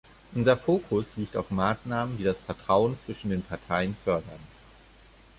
Unser Fokus liegt auf Maßnahmen, die das Vertrauen zwischen den Parteien fördern.